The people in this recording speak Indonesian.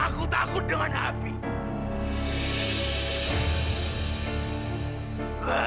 aku tidak bisa tinggal di tempat gelap